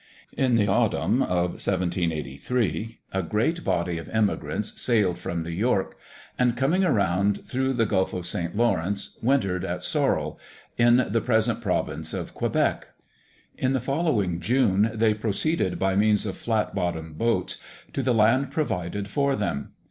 In the autumn of 1783 a great body of emigrants sailed from New York, and, coming around through the Gulf of St. Lawrence, wintered at Sorel, in the present province of Quebec. In the following June they proceeded by means of flat bottomed boats, to the land provided for them.